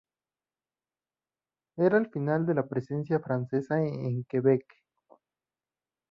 Era el final de la presencia francesa en Quebec.